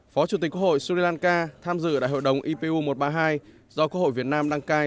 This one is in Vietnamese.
phó chủ tịch quốc hội sri lanka tham dự đại hội đồng ipu một trăm ba mươi hai do quốc hội việt nam đăng cai